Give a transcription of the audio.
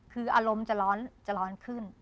คืออารมณ์จะร้อนจะร้อนขึ้น